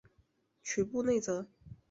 屈布内泽。